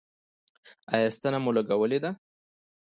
ایا ستنه مو لګولې ده؟